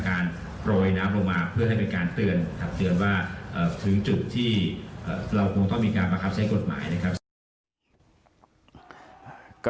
การปล่อยน้ำลงมาเพื่อให้เป็นการเตือนถับเตือนว่าถึงจุดที่เรามีการบัคภใช้กฎหมายนะครับ